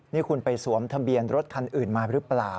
นี่คุณไปสวมทะเบียนรถคันอื่นมาหรือเปล่า